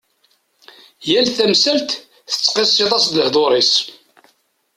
Yal tamsalt tettqisiḍ-as-d lehdur-is.